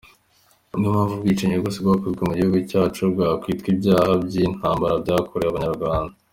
Niyo mpamvu ubwicanyi bwose bwakozwe mugihugu cyacu bwakwitwa ibyaha by’intamabara byakorewe abanyarwanda.